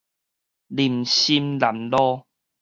林森南路